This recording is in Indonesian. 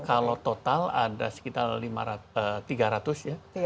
kalau total ada sekitar tiga ratus ya